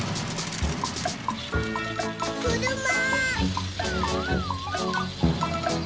くるま。